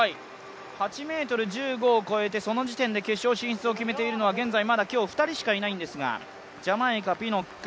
８ｍ１５を越えて、その時点で決勝進出を決めているのは現在まだ今日２人しかいないんですが、ジャマイカ・ピノック